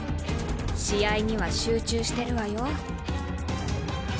試合には集中してるわよ。